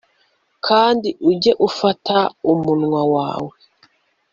kandi ujye ufata umunwa wawe